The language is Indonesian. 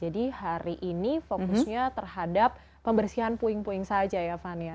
jadi hari ini fokusnya terhadap pembersihan puing puing saja ya fania